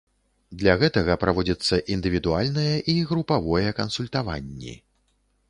Для гэтага праводзіцца індывідуальнае і групавое кансультаванні.